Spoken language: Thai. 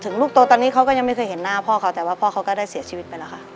ลูกโตตอนนี้เขาก็ยังไม่เคยเห็นหน้าพ่อเขาแต่ว่าพ่อเขาก็ได้เสียชีวิตไปแล้วค่ะ